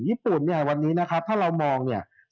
ญี่ปุ่นเนี่ยวันนี้นะครับถ้าเรามองเนี่ย